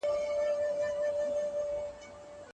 ډاکټر سپارښتنه وکړه چې وخت زیات شي.